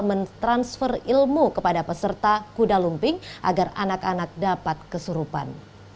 mentransfer ilmu kepada peserta kuda lumping agar anak anak dapat kesurupan